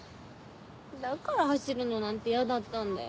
だから走るのなんて嫌だったんだよ。